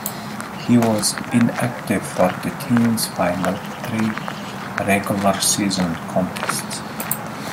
He was inactive for the team's final three regular season contests.